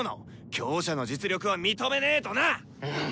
強者の実力は認めねーとな！